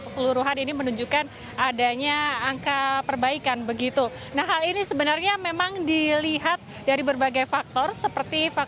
selamat siang ghea